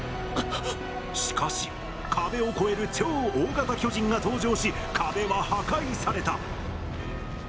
しかし、壁を越える超大型巨人が登場し壁は破壊された。